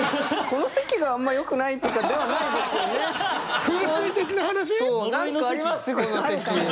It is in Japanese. この席があんまよくないとかではないですよね？